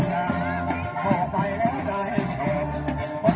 สวัสดีครับทุกคน